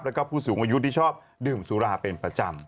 แล้วก็ผู้สูงอายุที่ชอบดื่มสุราเป็นประจำ